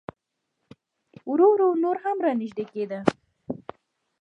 ورو ورو نور هم را نږدې کېده.